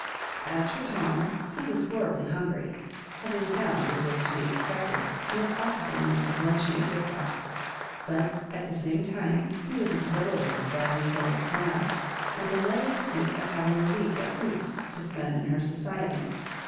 As for Tom, he was horribly hungry, having found, as was to be expeeted, no possible means of lunching at Didcot ; but, at the same time, he was exhilarated by Lucilla's smile, and delighted to think of having a week at least to spend in her society.